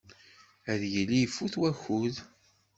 Ad yili ifut wakud.